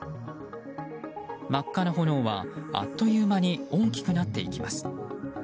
真っ赤な炎は、あっという間に大きくなっていきます。